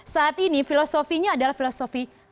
saat ini filosofinya adalah filosofi